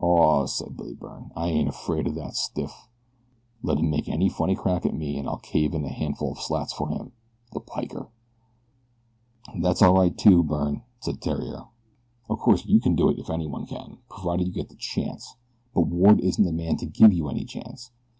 "Aw," said Billy Byrne, "I ain't afraid o' that stiff. Let him make any funny crack at me an' I'll cave in a handful of slats for him the piker." "That's all right too, Byrne," said Theriere. "Of course you can do it if anybody can, provided you get the chance; but Ward isn't the man to give you any chance.